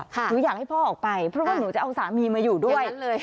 หนูอยากให้พ่อออกไปเพราะว่าหนูจะเอาสามีมาอยู่ด้วย